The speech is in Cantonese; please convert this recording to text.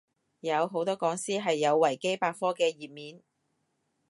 有，好多講師係有維基百科嘅頁面